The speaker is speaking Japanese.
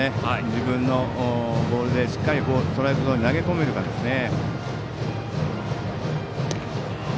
自分のボールでしっかりストライクゾーンに投げ込めるかですね。